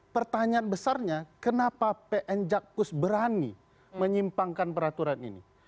pertanyaan besarnya kenapa pn jakpus berani menyimpangkan peraturan ini